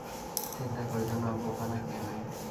চিন্তা কইরো না, বোকা নাকি আমি।